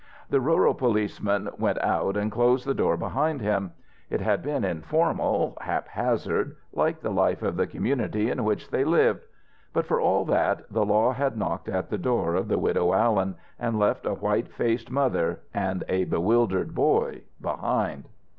The rural policeman went out and closed the door behind him. It had been informal, hap hazard, like the life of the community in which they lived. But, for all that, the law had knocked at the door of the Widow Allen, and left a white faced mother and a bewildered boy behind.